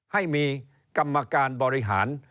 ให้มีกรรมการบริหาร